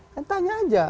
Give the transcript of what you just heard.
kan tanya saja